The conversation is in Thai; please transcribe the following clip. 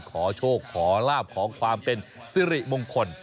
ขอโชคขอลาบขอความเป็นสิริมงคล